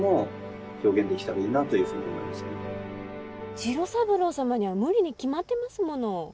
次郎三郎様には無理に決まってますもの。